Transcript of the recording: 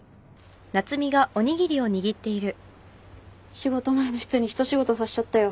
仕事前の人にひと仕事させちゃったよ。